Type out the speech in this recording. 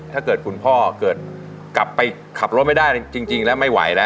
ถ้าเกิดคุณพ่อเกิดกลับไปขับรถไม่ได้จริงแล้วไม่ไหวแล้ว